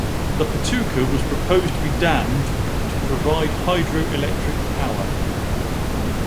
The Patuca was proposed to be dammed to provide hydroelectric power.